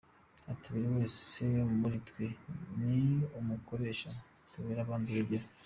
Ati “Buri wese muri twe ni umukoresha, tubere abandi urugero.